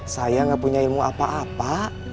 saya gak punya ilmu apa apa